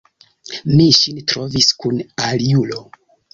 Mi ŝin trovis kun aliulo.